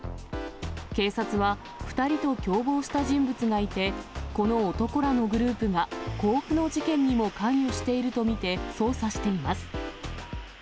警察は、２人と共謀して人物がいて、この男らのグループが甲府の事件にも関与していると見て捜査しています。